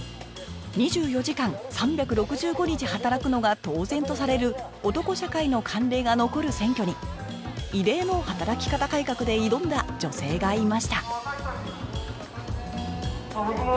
２４時間３６５日働くのが当然とされる男社会の慣例が残る選挙に異例の働き方改革で挑んだ女性がいました